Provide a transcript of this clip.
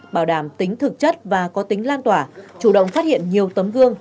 bảo đảm tính thực chất và có tính lan tỏa chủ động phát hiện nhiều tấm gương